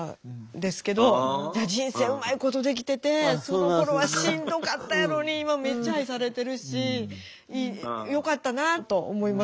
いや人生うまいことできててそのころはしんどかったやろに今めっちゃ愛されてるしよかったなあと思いましたよ。